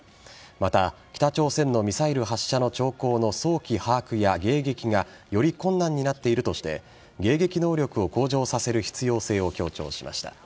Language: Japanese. また、北朝鮮のミサイル発射の兆候の早期把握や迎撃がより困難になっているとして迎撃能力を向上させる必要性を強調しました。